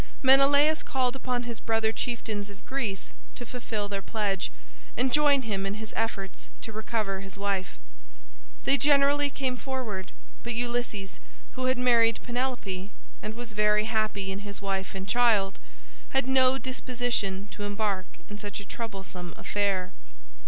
Menelaus called upon his brother chieftains of Greece to fulfil their pledge, and join him in his efforts to recover his wife. They generally came forward, but Ulysses, who had married Penelope, and was very happy in his wife and child, had no disposition to embark in such a troublesome affair.